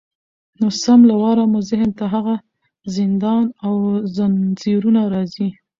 نو سم له واره مو ذهن ته هغه زندان او زنځیرونه راځي